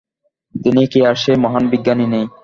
তিনি কি আর সেই মহান বিজ্ঞানী নেই।